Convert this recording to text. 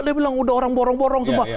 dia bilang udah orang borong borong semua